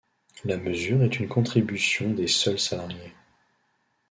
La mesure est une contribution des seuls salariés.